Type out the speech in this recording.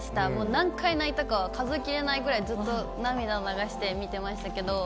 何回泣いたか、数えきれないくらいずっと涙を流して見てましたけど。